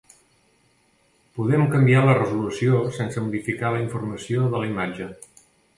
Podem canviar la resolució sense modificar la informació de la imatge.